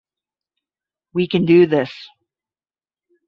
We can do this.